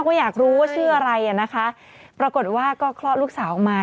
ก็อยากรู้ว่าชื่ออะไรอ่ะนะคะปรากฏว่าก็คลอดลูกสาวออกมา